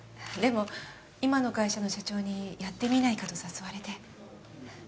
でも今の会社の社長にやってみないかと誘われて。